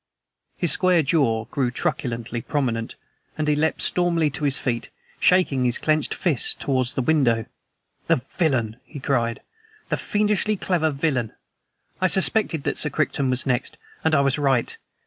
His square jaw grew truculently prominent, and he leapt stormily to his feet, shaking his clenched fists towards the window. "The villain!" he cried. "The fiendishly clever villain! I suspected that Sir Crichton was next, and I was right.